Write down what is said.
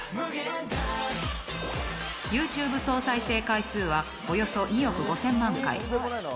ユーチューブ総再生回数はおよそ２億５０００万回。